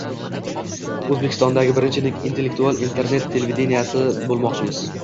Oʻzbekistondagi birinchi intellektual internet televideniyesi ochmoqchimiz.